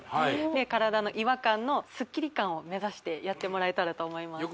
で体の違和感のスッキリ感を目指してやってもらえたらと思います